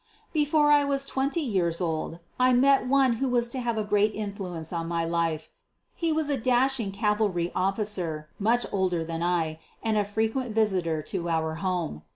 Before I was twenty years old I met one who was to have a great influence on my life. He was a dashing cavalry officer, much older than I, and a frequent visitor at our home.